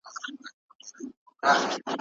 هغې له شعیب ملک سره واده کړی دی.